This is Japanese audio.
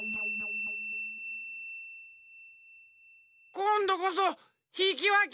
こんどこそひきわけ！